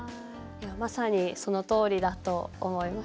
まさにそのとおりだと思いますね。